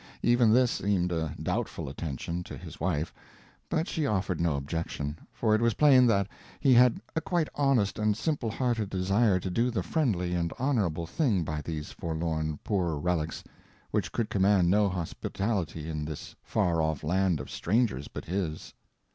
Even this seemed a doubtful attention, to his wife, but she offered no objection, for it was plain that he had a quite honest and simple hearted desire to do the friendly and honourable thing by these forlorn poor relics which could command no hospitality in this far off land of strangers but his.